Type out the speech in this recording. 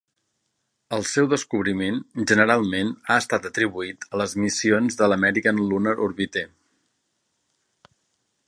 El seu descobriment generalment ha estat atribuït a les missions de l'American Lunar Orbiter.